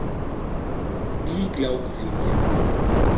Nie glaubt sie mir.